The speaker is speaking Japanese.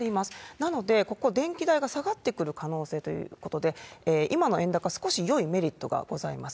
なので、ここ、電気代が下がってくる可能性ということで、今の円高、少しよいメリットがございます。